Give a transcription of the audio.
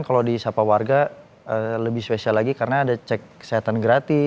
kalau di sapa warga lebih spesial lagi karena ada cek kesehatan gratis